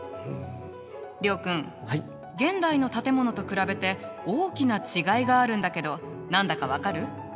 諒君現代の建物と比べて大きな違いがあるんだけど何だか分かる？